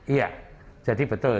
iya jadi betul